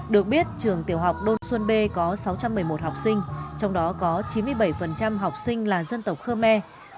được biết trường tiểu học đôn xuân b có sáu trăm một mươi một học sinh trong đó có chín mươi bảy học sinh là dân tộc khơ me